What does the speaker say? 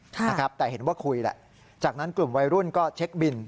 แต่เห็นว่าคุยแหละจากนั้นกลุ่มวัยรุ่นก็เช็คบิน